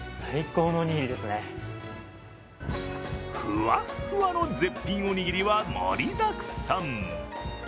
ふわふわの絶品おにぎりは盛りだくさん。